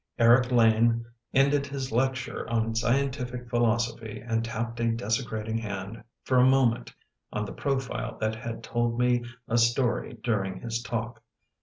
Eric Lane ended his lecture on scientific philosophy and tapped a desecrating hand, for a moment, on the profile that had told me a story during his talk.